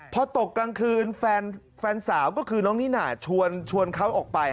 พอตกกลางคืนแฟนสาวก็คือน้องนิน่าชวนเขาออกไป